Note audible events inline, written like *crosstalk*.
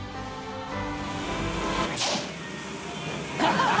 ハハハ *laughs*